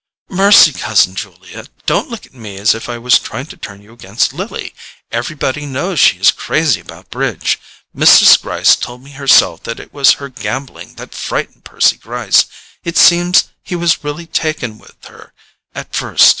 "Mercy, cousin Julia, don't look at me as if I were trying to turn you against Lily! Everybody knows she is crazy about bridge. Mrs. Gryce told me herself that it was her gambling that frightened Percy Gryce—it seems he was really taken with her at first.